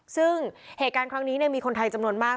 ซึ่งเหตุการณ์ครั้งนี้มีคนไทยจำนวนมาก